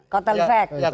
kotel efeknya ya